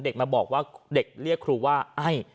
เด็กมาบอกว่าเด็กเรียกครูว่าไอ้